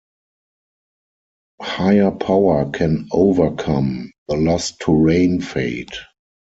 Higher power can overcome the loss to rain fade.